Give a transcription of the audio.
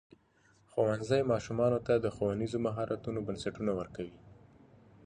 ښوونځی ماشومانو ته د ښوونیزو مهارتونو بنسټونه ورکوي.